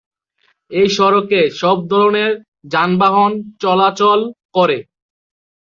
এই সড়কে সব ধরনের যানবাহন চলাচল করে।